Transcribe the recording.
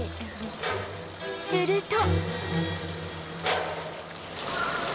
すると